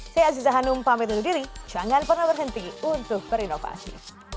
saya aziza hanum pamit undur diri jangan pernah berhenti untuk berinovasi